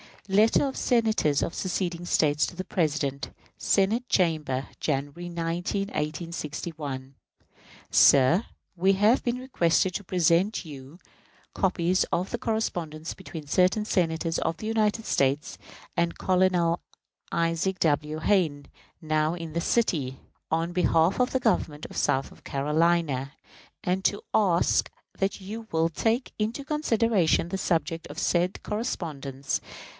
_ Letter of Senators of seceding States to the President. Senate Chamber, January 19, 1861. Sir: We have been requested to present to you copies of a correspondence between certain Senators of the United States and Colonel Isaac W. Hayne, now in this city, in behalf of the government of South Carolina, and to ask that you will take into consideration the subject of said correspondence.